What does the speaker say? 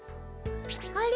あれ？